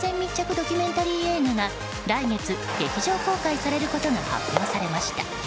ドキュメンタリー映画が来月、劇場公開されることが発表されました。